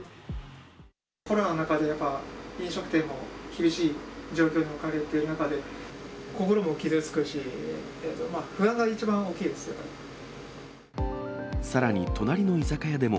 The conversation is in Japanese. コロナの中で、やっぱ、飲食店も厳しい状況に置かれている中で、心も傷つくし、不安が一さらに隣の居酒屋でも、